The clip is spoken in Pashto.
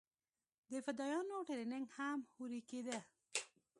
د فدايانو ټرېننگ هم هورې کېده.